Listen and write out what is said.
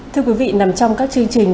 thưa quý vị nằm trong các chương trình